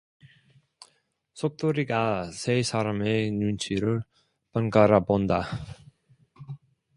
석돌이가 세 사람의 눈치를 번갈아 본다.